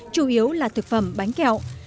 chủ yếu là thực phẩm bánh kẹo